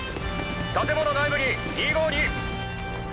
建物内部に２５２。